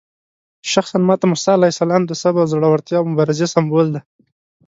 شخصاً ماته موسی علیه السلام د صبر، زړورتیا او مبارزې سمبول دی.